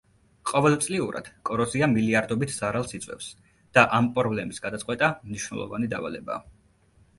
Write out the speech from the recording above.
ყოველწლიურად კოროზია მილიარდობით ზარალს იწვევს, და ამ პრობლემის გადაწყვეტა მნიშვნელოვანი დავალებაა.